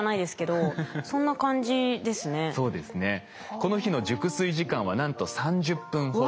この日の熟睡時間はなんと３０分ほど。